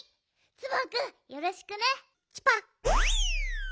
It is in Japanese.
ツバンくんよろしくね。